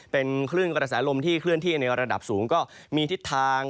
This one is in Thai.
เป็นคลื่นกระแสลมที่เคลื่อนที่ในระดับสูงก็มีทิศทาง